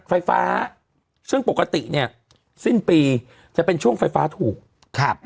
ไฟฟ้าซึ่งปกติเนี่ยสิ้นปีจะเป็นช่วงไฟฟ้าถูกครับ